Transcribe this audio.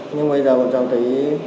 nhưng bây giờ bọn cháu thấy